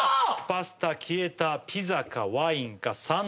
パスタ消えたピザかワインか３７